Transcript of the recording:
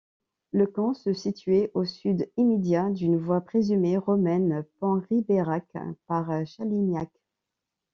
Le camp se situait au sud immédiat d'une voie présumée romaine Pons-Ribérac par Challignac.